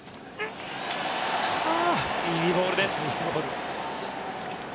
いいボールです。